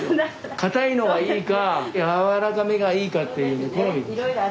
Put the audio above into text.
硬いのがいいか軟らかめがいいかっていう好みです。